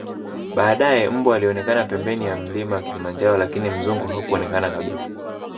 baadae mbwa alionekana pembeni ya mlima kilimanjaro lakini mzungu hakuonekana kabisa